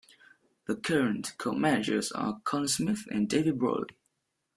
The current co-managers are Colin Smith and David Brolly.